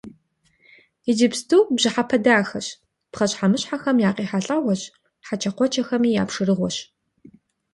Иджыпсту бжьыхьэпэ дахэщ, пхъэщхьэмыщхьэм и къехьэлӀэгъуэщ, хьэкӀэкхъуэкӀэми я пшэрыгъуэщ.